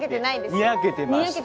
にやけてました。